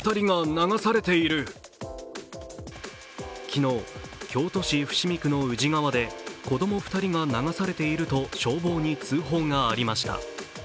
昨日、京都市伏見区の宇治川で子供２人が流されていると消防に通報がありました。